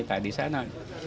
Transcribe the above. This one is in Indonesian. ada di sana